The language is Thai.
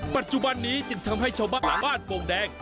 ปัจจุบันนี้จึงทำให้ชาวบ้านบ้านโป่งแดง